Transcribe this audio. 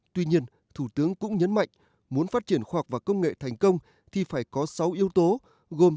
tuy nhiên thủ tướng cũng nhấn mạnh muốn phát triển khoa học và công nghệ thành công thì phải có sáu yếu tố gồm